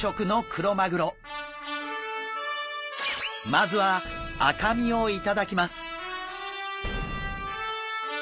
まずは赤身を頂きます。